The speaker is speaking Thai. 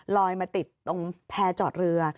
มาติดตรงแพร่จอดเรือ